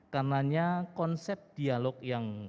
karenanya konsep dialog yang